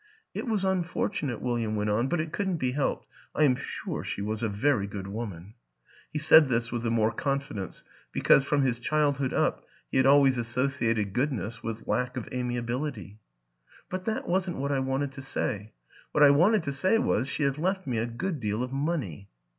" It was unfortunate," William went on, " but it couldn't be helped. I am sure she was a very good woman." (He said this with the more con fidence because, from his childhood up, he had always associated goodness with lack of amiabil ity.) " But that wasn't what I wanted to say. What I wanted to say was, she has left me a good deal of money."